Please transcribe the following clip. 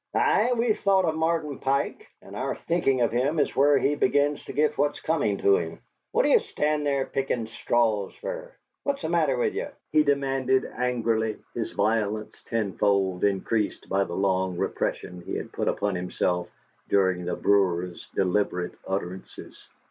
"Ay, we've thought o' Martin Pike, and our thinkin' of him is where he begins to git what's comin' to him! What d'ye stand there pickin' straws fer? What's the matter with ye?" he demanded, angrily, his violence tenfold increased by the long repression he had put upon himself during the brewer's deliberate utterances.